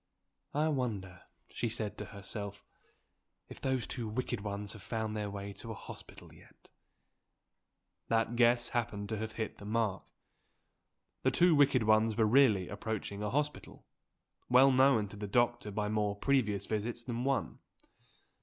"I wonder," she said to herself, "if those two wicked ones have found their way to a hospital yet?" That guess happened to have hit the mark. The two wicked ones were really approaching a hospital, well known to the doctor by more previous visits than one.